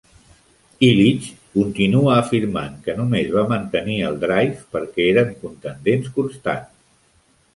Ilitch continua afirmant que només va mantenir el Drive perquè eren contendents constants.